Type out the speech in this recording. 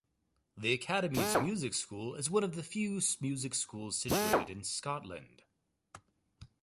The Academy's music school is one of the few music schools situated in Scotland.